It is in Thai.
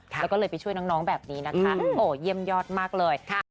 แล้วก็เลยไปช่วยน้องแบบนี้นะคะโอ้เยี่ยมยอดมากเลยค่ะ